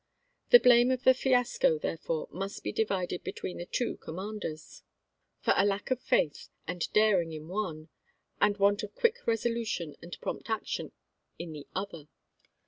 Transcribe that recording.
The blame of the fiasco, therefore, must be divided between the two com manders : for a lack of faith and daring in one and a want of quick resolution and prompt action in the other.